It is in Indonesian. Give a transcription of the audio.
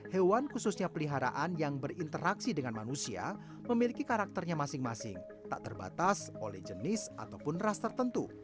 hewan khususnya peliharaan yang berinteraksi dengan manusia memiliki karakternya masing masing tak terbatas oleh jenis ataupun ras tertentu